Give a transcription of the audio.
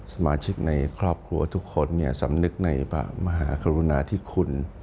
สมาชิกในครอบครัวทุกคนสำนึกในคุณ